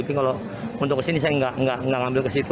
tapi kalau untuk ke sini saya tidak mengambil ke situ